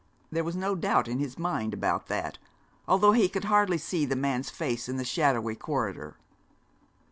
There was no doubt in his mind about that, although he could hardly see the man's face in the shadowy corridor.